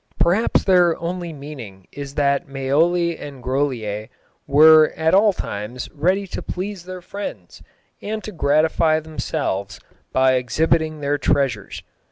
Perhaps their only meaning is that Maioli and Grolier were at all times ready to please their friends and to gratify themselves by exhibiting their treasures.